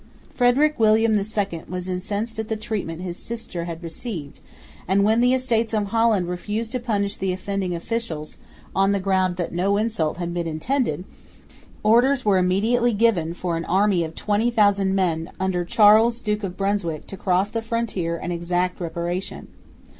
Frederick William II was incensed at the treatment his sister had received; and, when the Estates of Holland refused to punish the offending officials, on the ground that no insult had been intended, orders were immediately given for an army of 20,000 men under Charles, Duke of Brunswick, to cross the frontier and exact reparation.